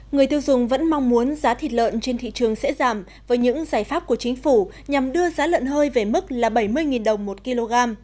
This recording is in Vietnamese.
người tiêu dùng vẫn mong muốn giá thịt lợn trên thị trường sẽ giảm với những giải pháp của chính phủ nhằm đưa giá lợn hơi về mức là bảy mươi đồng một kg